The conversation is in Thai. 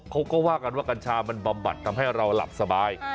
เขาก็ว่ากันว่ากัญชามันบำบัดทำให้เราหลับสบาย